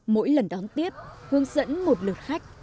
mỗi lần đón tiếp hướng dẫn một lượt khách